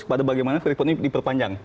kepada bagaimana free port ini diperpanjang